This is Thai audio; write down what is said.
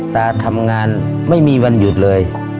ตาทำงานไม่มีวันหยุดเลย